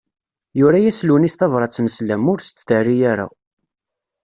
Yura-yas Lewnis tabrat n sslam, ur s-d-terri ara.